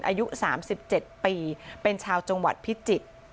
อายุ๓๗ปีเป็นชาวจังหวัดพิจิตร